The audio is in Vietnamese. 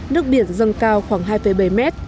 nước biển dâng cao khoảng hai năm km